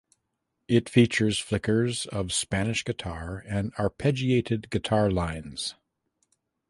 It features flickers of Spanish guitar and arpeggiated guitar lines.